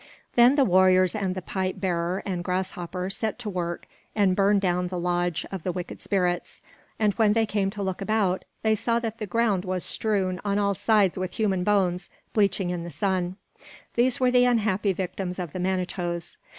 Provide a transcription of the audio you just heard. Then the warriors and the pipe bearer and Grasshopper set to work and burned down the lodge of the wicked spirits, and when they came to look about, they saw that the ground was strewn on all sides with human bones bleaching in the sun; these were the unhappy victims of the Manitoes.